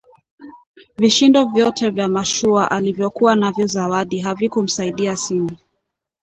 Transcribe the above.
Vishindo vyote vya mashua alivyokuwa navyo Zawadi havikumsaidia sini